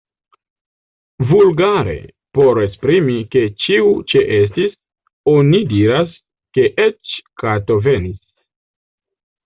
Vulgare, por esprimi, ke ĉiu ĉeestis, oni diras, ke eĉ kato venis.